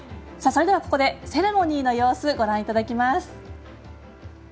それではここでセレモニーの様子ご覧いただきます。